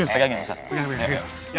tegang dia ustaz